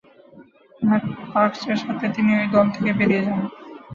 Mat Parkes এর সাথে তিনি ওই দল থেকে বেড়িয়ে যান।